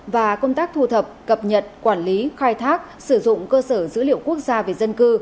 và công tác thu thập cập nhật quản lý khai thác sử dụng cơ sở dữ liệu quốc gia về dân cư